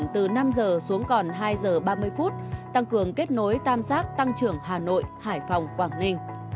từ năm giờ xuống còn hai giờ ba mươi phút tăng cường kết nối tam giác tăng trưởng hà nội hải phòng quảng ninh